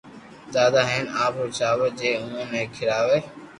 دآدا ھين آپ او چاور جي اووہ ني کراوي